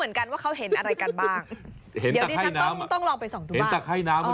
ส่องเข้าไป